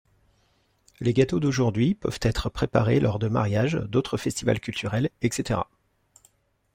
Les gâteaux d'aujourd'hui peuvent être préparés lors de mariages, d'autres festivals culturels, etc.